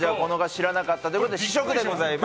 知らなかったということで試食でございます。